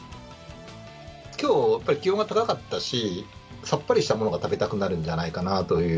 きょう、やっぱり気温が高かったし、さっぱりしたものが食べたくなるんじゃないかなという。